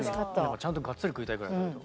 ちゃんとがっつり食いたいぐらいだけど。